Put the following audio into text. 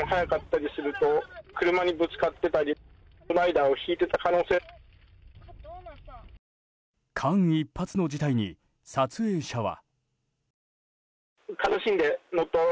間一髪の事態に撮影者は。